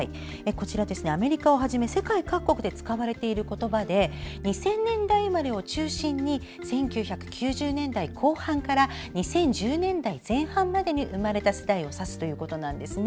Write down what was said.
こちら、アメリカをはじめ世界各国で使われている言葉で２０００年代生まれを中心に１９９０年代後半から２０１０年代前半までに生まれた世代を指すということです。